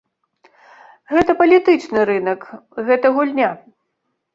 Гэта палітычны рынак, гэта гульня.